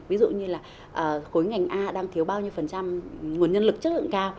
ví dụ như là khối ngành a đang thiếu bao nhiêu phần trăm nguồn nhân lực chất lượng cao